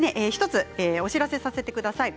１つお知らせをさせてください。